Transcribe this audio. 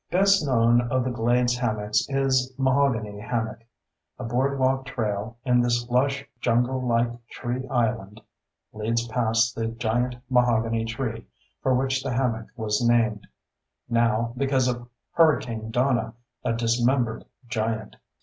Best known of the glades hammocks is Mahogany Hammock. A boardwalk trail in this lush, junglelike tree island leads past the giant mahogany tree for which the hammock was named—now, because of Hurricane Donna, a dismembered giant.